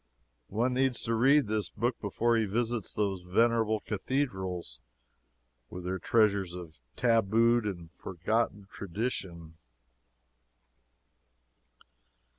One needs to read this book before he visits those venerable cathedrals, with their treasures of tabooed and forgotten tradition.